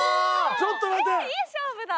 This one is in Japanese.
ちょっと待て！